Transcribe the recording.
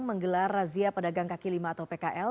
menggelar razia pedagang kaki lima atau pkl